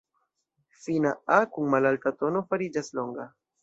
Fina "a" kun malalta tono fariĝas longa.